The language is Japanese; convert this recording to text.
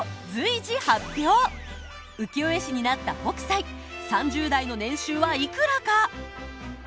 浮世絵師になった北斎３０代の年収はいくらか？